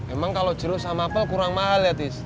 emang kalau jeruk sama apel kurang mahal ya